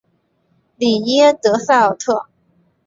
里耶德塞尔特。